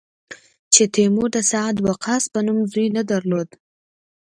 چې تیمور د سعد وقاص په نوم زوی نه درلود.